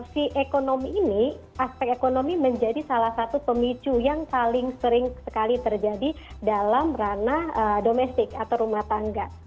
si ekonomi ini aspek ekonomi menjadi salah satu pemicu yang paling sering sekali terjadi dalam ranah domestik atau rumah tangga